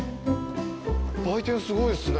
売店すごいっすね。